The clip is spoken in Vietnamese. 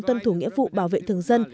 tuân thủ nghĩa vụ bảo vệ thường dân